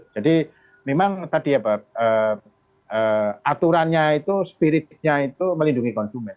jadi memang tadi aturannya itu spiritnya itu melindungi konsumen